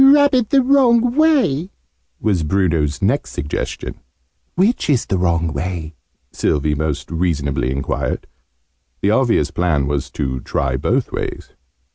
"Rub it the wrong way," was Bruno's next suggestion. "Which is the wrong way?", Sylvie most reasonably enquired. The obvious plan was to try both ways.